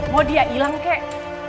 mau dia ilang kek